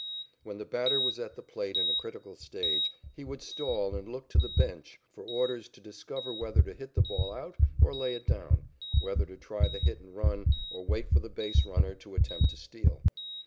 When the batter was at the plate in a critical stage, he would stall and look to the "bench" for orders to discover whether to hit the ball out or lay it down, whether to try the hit and run, or wait for the base runner to attempt to steal.